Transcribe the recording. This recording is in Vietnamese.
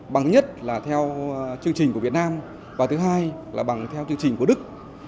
bằng thứ nhất là theo chương trình của việt nam và thứ hai là bằng theo chương trình của đức